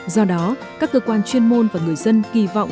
do đó các cơ quan chuyên môn và người dân kỳ vọng